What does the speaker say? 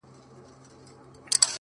ليري له بلا سومه؛ چي ستا سومه؛